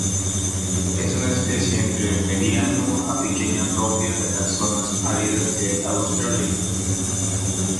Es una especie entre mediano a pequeña propia de las zonas áridas de Australia.